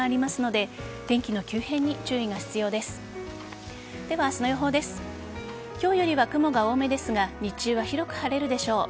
では、明日の予報です今日よりは雲が多めですが日中は広く晴れるでしょう。